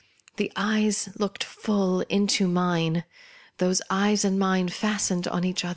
The eyes looked full into u; '^\ those eyes and mine fastened on each otuc.